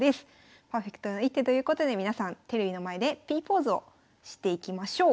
パーフェクトな一手ということで皆さんテレビの前でＰポーズをしていきましょう。